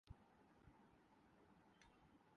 جبکہ اس سے مستفید ہونے کا کوئی بل بھی نہیں